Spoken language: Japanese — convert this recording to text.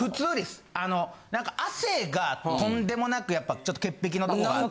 亜生がとんでもなくやっぱちょっと潔癖のとこあって。